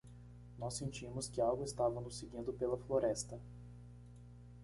Nós sentimos que algo estava nos seguindo pela floresta.